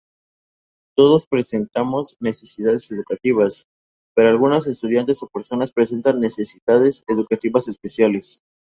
Todos presentamos necesidades educativas, pero algunos estudiantes o personas presentan necesidades educativas especiales.